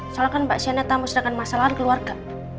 soalnya kan mbak sienna tamu sedangkan masalah keluarga